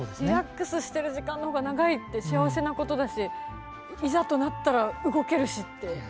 リラックスしてる時間の方が長いって幸せなことだしいざとなったら動けるしって。